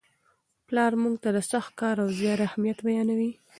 پلار موږ ته د سخت کار او زیار اهمیت بیانوي.